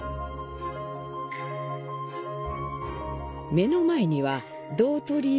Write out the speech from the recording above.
目の前には「銅鳥居」